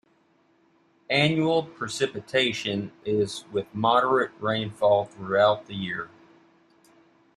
Annual precipitation is with moderate rainfall throughout the year.